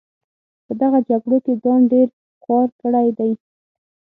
په دغه جګړو کې ځان ډېر خوار کړی دی.